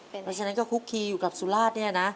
เพราะฉะนั้นก็คุกคีอยู่กับสุราชเนี่ยนะ